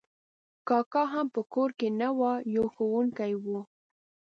کاکا هم په کور نه و، یو ښوونکی و.